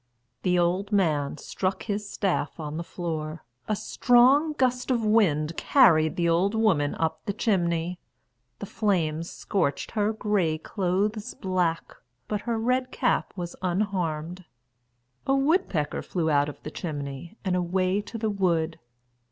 The old man struck his staff on the floor. A strong gust of wind carried the old woman up the chimney. The flames scorched her grey clothes black; but her red cap was unharmed. A woodpecker flew out of the chimney and away to the wood.